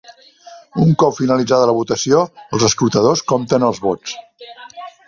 Un cop finalitzada la votació, els escrutadors compten els vots.